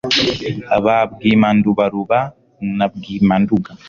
ba bwimandubaruba na bwimanduga